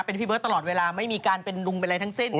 เป็นพี่เบิร์ตตลอดเวลาไม่มีการเป็นลุงเป็นอะไรทั้งสิ้น